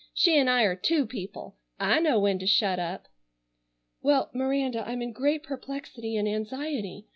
She'n' I are two people. I know when to shut up." "Well, Miranda, I'm in great perplexity and anxiety.